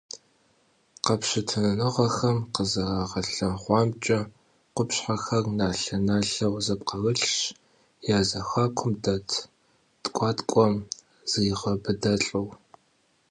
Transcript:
Къэпщытэныгъэхэм къызэрагъэлъэгъуамкӏэ, къупщхьэхэр налъэ-налъэу зэпкърылъщ, я зэхуакум дэт ткӏуаткӏуэм зригъэбыдылӏэу.